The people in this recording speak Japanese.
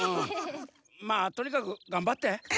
まあとにかくがんばって。